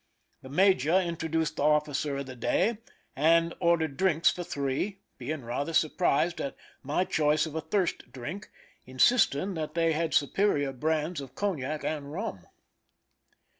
The major introduced the officer of the day, and ordered drinks for three, being rather surprised at my choice of a thirst drink, insisting that they had superior brands of cognac and rum.